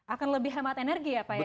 akan lebih hemat energi ya pak ya